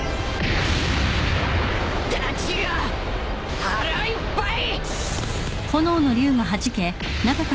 ダチが腹いっぱい。